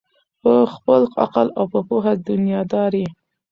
په خپل عقل او په پوهه دنیادار یې